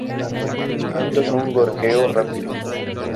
Su canto es un gorjeo rápido.